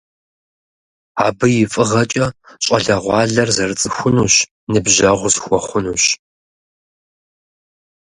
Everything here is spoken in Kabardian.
Абы и фӀыгъэкӀэ щӀалэгъуалэр зэрыцӀыхунущ, ныбжьэгъу зэхуэхъунущ.